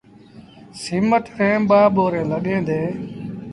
سيٚمٽ ريٚݩ ٻآ ٻوريٚݩ لڳيٚن ديٚݩ۔